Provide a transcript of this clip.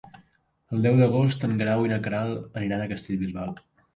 El deu d'agost en Guerau i na Queralt aniran a Castellbisbal.